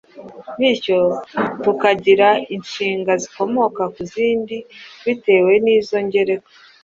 bityo tukagira inshinga zikomoka ku zindi bitewe n’izo ngereka